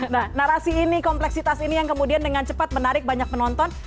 nah narasi ini kompleksitas ini yang kemudian dengan cepat menarik banyak penonton